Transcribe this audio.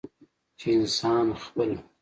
چې انسان خپله